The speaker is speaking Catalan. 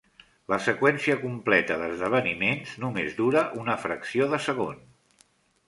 La seqüència completa d'esdeveniments només dura una fracció de segon.